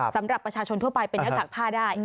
สำหรับประชาชนทั่วไปเป็นหน้ากากผ้าได้